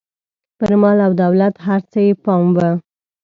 پر مال او دولت هر څه یې پام و.